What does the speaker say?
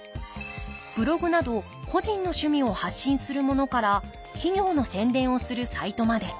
ブログなど個人の趣味を発信するものから企業の宣伝をするサイトまで。